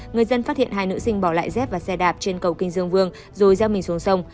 người dân phát hiện hai nữ sinh bỏ lại dép vào xe đạp trên cầu kinh dương vương rồi gieo mình xuống sông